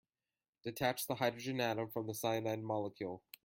Detach the hydrogen atom from the cyanide molecule.